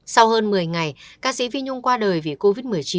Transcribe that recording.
sau hơn một mươi ngày ca sĩ vi nhung qua đời vì covid một mươi chín